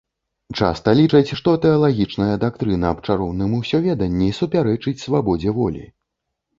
Часта лічаць, што тэалагічная дактрына аб чароўным усёведанні супярэчыць свабодзе волі.